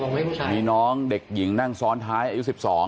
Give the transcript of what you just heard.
มีผู้ชายมีน้องเด็กหญิงนั่งซ้อนท้ายอายุ๑๒